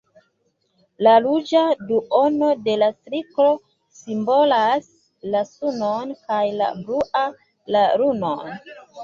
La ruĝa duono de la cirklo simbolas la sunon, kaj la blua la lunon.